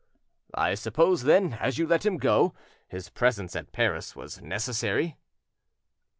"I suppose, then, as you let him go, his presence at Paris was necessary?"